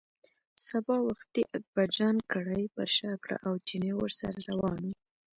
سبا وختي اکبرجان کړایی پر شا کړه او چيني ورسره روان و.